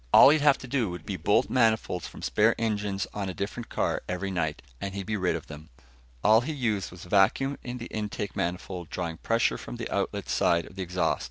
All he'd have to do would be bolt manifolds from spare engines on a different car every night, and he'd be rid of it. All he used was vacuum in the intake manifold, drawing pressure from the outlet side of the exhaust.